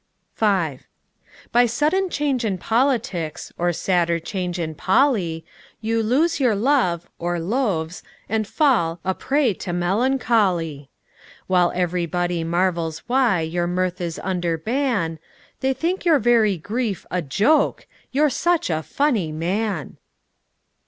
V By sudden change in politics, Or sadder change in Polly, You lose your love, or loaves, and fall A prey to melancholy, While everybody marvels why Your mirth is under ban, They think your very grief "a joke," You're such a funny man!